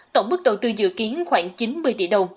tổng mức đầu tư dự kiến khoảng chín mươi tỷ đồng